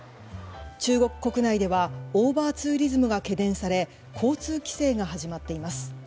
中国国内ではオーバーツーリズムが懸念され交通規制が始まっています。